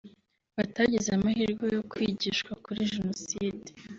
batagize amahirwe yo kwigishwa kuri Jenoside